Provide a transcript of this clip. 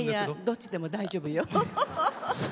どっちでも大丈夫よ。